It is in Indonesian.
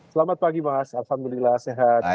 selamat pagi mas alhamdulillah sehat